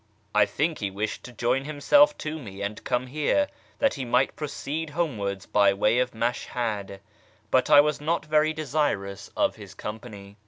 I think he wished to join himself to me and come here, that he might proceed homewards by way of Mashhad ; but I was not very desirous of his company."